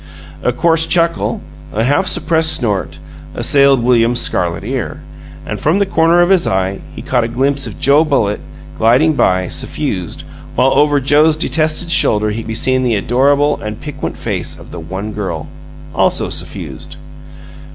A coarse chuckle, a half suppressed snort, assailed William's scarlet ear, and from the corner of his eye he caught a glimpse of Joe Bullitt gliding by, suffused; while over Joe's detested shoulder could be seen the adorable and piquant face of the One girl also suffused.